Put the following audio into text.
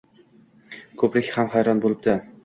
Ko`prik ham vayron bo`libdi